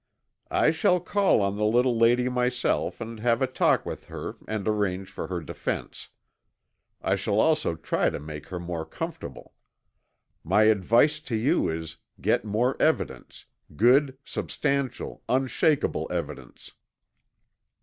"I shall call on the little lady myself and have a talk with her and arrange for her defense. I shall also try to make her more comfortable. My advice to you is, get more evidence, good, substantial, unshakable evidence."